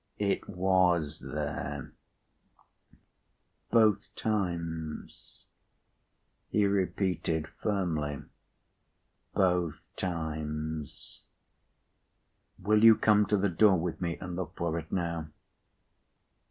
"It was there." "Both times?" He repeated firmly: "Both times." "Will you come to the door with me, and look for it now?"